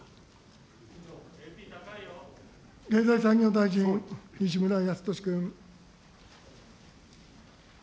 経済産業大臣、西村康稔君。